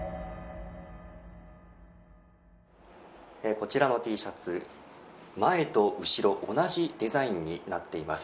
こちらのＴシャツ前と後ろ同じデザインになっています。